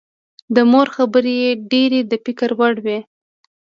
د مور خبرې یې ډېرې د فکر وړ وې